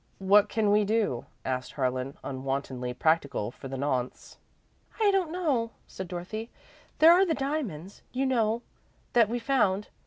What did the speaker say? "What can we do?" asked Harlan, unwontedly practical for the nonce. "I don't know," said Dorothy. "There are the diamonds, you know, that we found.